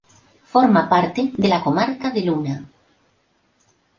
Forma parte de la comarca de Luna.